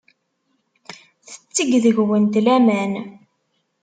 Tetteg deg-went laman.